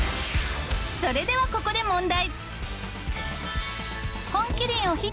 それではここで問題。